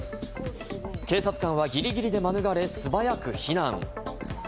警察官はぎりぎりで免れ、素早く避難。